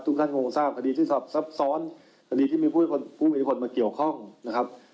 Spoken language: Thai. ท่านคงทราบคดีที่ซับซ้อนคดีที่มีผู้มีคนมาเกี่ยวข้องนะครับ